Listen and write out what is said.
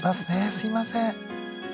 すいません。